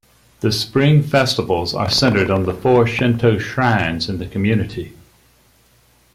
The spring festivals are centered on the Four Shinto Shrines in the community.